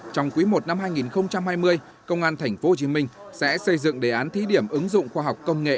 trong quý i năm hai nghìn hai mươi công an tp hcm sẽ xây dựng đề án thí điểm ứng dụng khoa học công nghệ